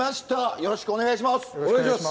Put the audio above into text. よろしくお願いします。